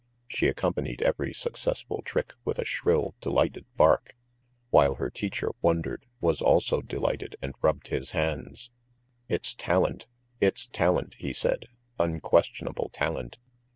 She accompanied every successful trick with a shrill, delighted bark, while her teacher wondered, was also delighted, and rubbed his hands. "It's talent! It's talent!" he said. "Unquestionable talent!